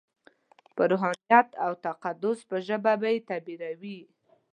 په روحانیت او تقدس په ژبه به یې تعبیروي.